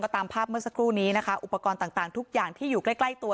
ตามภาพเมื่อสักครู่นี้นะคะอุปกรณ์ต่างทุกอย่างที่อยู่ใกล้ใกล้ตัว